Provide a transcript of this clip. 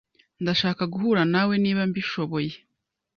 Ndashaka guhura nawe niba mbishoboye.